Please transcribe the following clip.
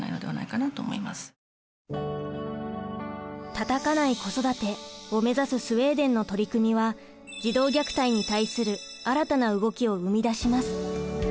「たたかない子育て」を目指すスウェーデンの取り組みは児童虐待に対する新たな動きを生み出します。